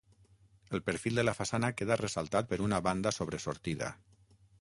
El perfil de la façana queda ressaltat per una banda sobresortida.